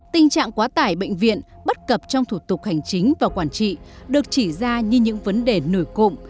tình trạng quá tải bệnh viện bất cập trong thủ tục hành chính và quản trị được chỉ ra như những vấn đề nổi cộng